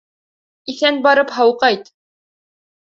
Иҫән барып һау ҡайт.